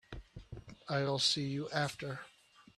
I'll see you after.